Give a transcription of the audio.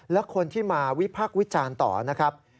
และคนที่มาวิพักษ์วิจารณ์ต่อนะครับ